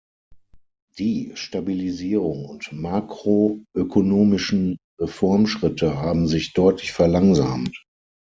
Die Stabilisierung und makroökonomischen Reformfortschritte haben sich deutlich verlangsamt.